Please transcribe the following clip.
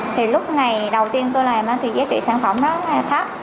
thì lúc này đầu tiên tôi làm thì giá trị sản phẩm rất là thấp